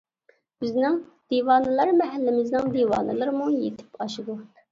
بىزنىڭ دىۋانىلەر مەھەللىمىزنىڭ دىۋانىلىرىمۇ يېتىپ ئاشىدۇ.